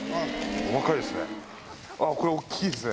お若いですね。